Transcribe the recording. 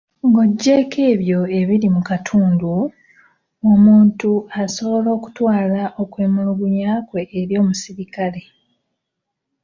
Ng'oggyeeko ebyo ebiri mu katundu , omuntu asobola okutwala okwemulugunya kwe eri omusirikale.